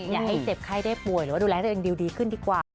อย่าให้เจ็บไข้ได้ป่วยหรือว่าดูแลตัวเองดีขึ้นดีกว่า